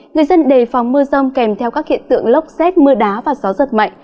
người dân đề phòng mưa rông kèm theo các hiện tượng lốc xét mưa đá và gió giật mạnh